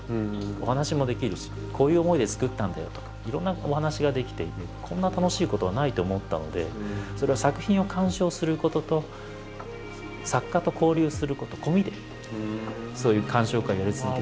お話もできるし「こういう思いでつくったんだよ」とかいろんなお話ができてこんな楽しいことはないって思ったのでそれは作品を鑑賞することと作家と交流すること込みでそういう鑑賞会をやり続けて。